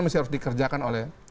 mesti harus dikerjakan oleh